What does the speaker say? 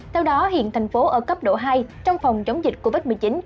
theo đó hiện thành phố ở cấp độ hai trong phòng chống dịch covid một mươi chín